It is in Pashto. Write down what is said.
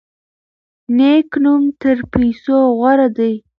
نیک نوم تر پیسو غوره دی.